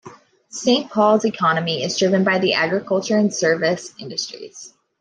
Saint Paul's economy is driven by the agriculture and service industries.